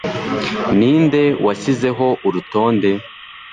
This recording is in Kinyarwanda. Ninde washyizeho urutonde